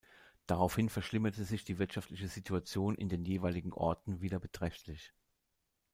Daraufhin verschlimmerte sich die wirtschaftliche Situation in den jeweiligen Orten wieder beträchtlich.